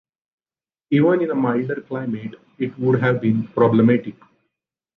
Even in a milder climate, it would have been problematic.